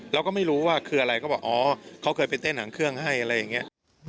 เราก็ไม่รู้ว่าคืออะไรก็บอกอ๋อเขาเคยไปเต้นหางเครื่องให้อะไรอย่างนี้